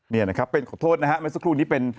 นี่นะครับเป็นขอโทษนะฮะเมื่อสักครู่นี้เป็น